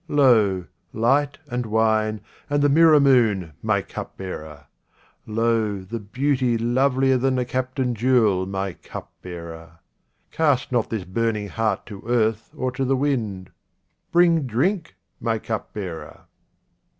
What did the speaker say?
Lo, light and wine, and the mirror moon, my cupbearer ; lo, the beauty lovelier than the captain jewel, my cupbearer ; cast not this burning heart to earth or to the wind ; bring drink, my cupbearer.